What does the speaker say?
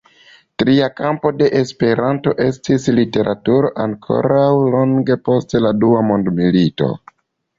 Tria kampo de "Esperanto" estis literaturo, ankoraŭ longe post la dua mondmilito.